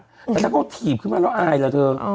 แต่ถ้าเขาถีบขึ้นมาแล้วอายล่ะเธอ